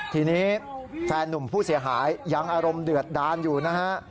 ทีนี้แฟนนุ่มผู้เสียหายยังอารมณ์เดือดดานอยู่นะฮะ